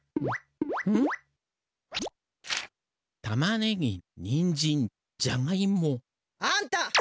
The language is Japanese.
たまねぎにんじんじゃがいも？あんた！